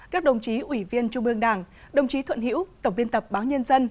các đồng chí ủy viên trung mương đảng đồng chí thuận hiễu tổng viên tập báo nhân dân